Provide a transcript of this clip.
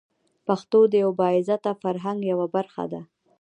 پښتو د یوه با عزته فرهنګ یوه برخه ده.